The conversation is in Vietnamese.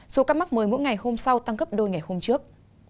số ca mắc mới mỗi ngày hôm sau tăng gấp đôi ngày hôm trước